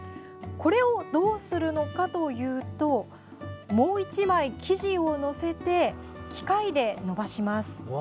これをどうするのかというともう１枚生地を載せて機械で伸ばします。